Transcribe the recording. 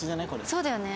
そうだよね。